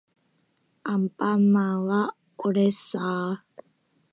アンパンマンはおれっさー